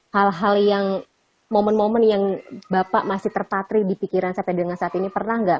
hal hal yang momen momen yang bapak masih terpatri di pikiran sampai dengan saat ini pernah nggak